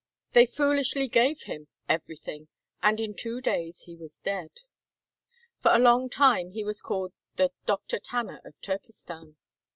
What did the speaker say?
They foolishly gave him "everything," and in two days he was dead. For a long time he was called the "Doctor Tanner of Turkestan."